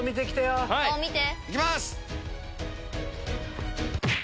行きます！